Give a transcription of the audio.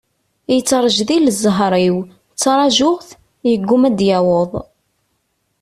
Yettrejdil zher-iw, ttrajuɣ-t, yegguma ad d-yaweḍ.